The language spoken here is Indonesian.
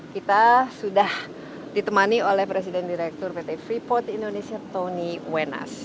kita sudah ditemani oleh presiden direktur pt freeport indonesia tony wenas